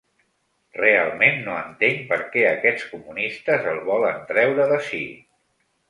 Realment no entenc per què aquests comunistes el volen treure d’ací.